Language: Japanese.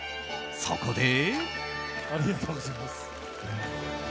そこで。